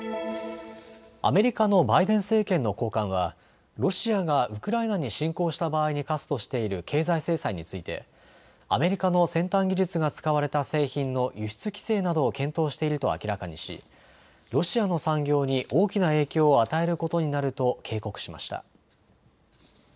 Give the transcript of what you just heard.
アメリカのバイデン政権の高官はロシアがウクライナに侵攻した場合に科すとしている経済制裁についてアメリカの先端技術が使われた製品の輸出規制などを検討していると明らかにし、ロシアの産業に大きな影響を与えることになると警告しました。